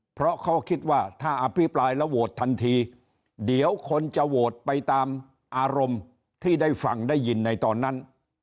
เพราะเขาคิดว่าถ้าอภิปรายแล้วโหวตทันทีเดี๋ยวคนจะโหวตไปตามอารมณ์ที่ได้ฟังได้ยินในตอนนั้น